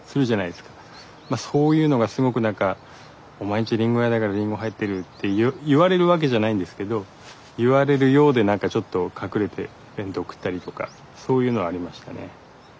まあそういうのがすごく何か「おまえんちりんご屋だからりんご入ってる」って言われるわけじゃないんですけど言われるようで何かちょっと隠れて弁当食ったりとかそういうのはありましたね。